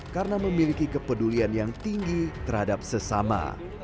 karena memiliki kepedulian yang tinggi terhadap sesama